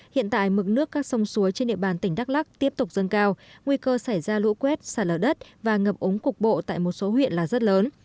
hiện tại mực nước các sông suối trên địa bàn tỉnh đắk lắc tiếp tục dâng cao nguy cơ xảy ra lũ quét xả lở đất và ngập ống cục bộ tại một số huyện là rất lớn